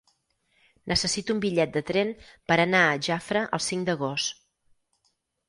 Necessito un bitllet de tren per anar a Jafre el cinc d'agost.